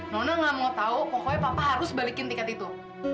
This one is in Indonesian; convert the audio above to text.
nona gak mau tau pokoknya papa harus balikin tiket itu